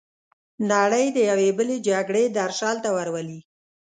نړۍ د یوې بلې جګړې درشل ته ورولي.